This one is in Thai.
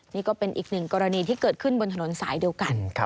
นี่ก็เป็นอีกหนึ่งกรณีที่เกิดขึ้นบนถนนสายเดียวกัน